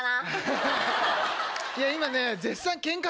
いや今ね。